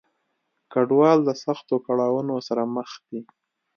کډوال د سختو کړاونو سره مخ دي.